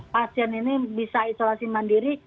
pasien ini bisa isolasi mandiri